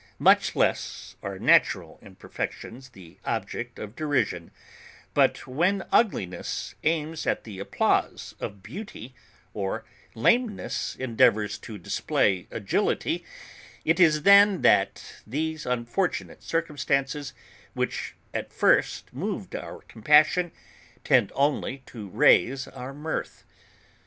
Much less are natural imperfections the object of derision; but when ugliness aims at the applause of beauty, or lameness endeavours to display agility, it is then that these unfortunate circumstances, which at first moved our compassion, tend only to raise our mirth.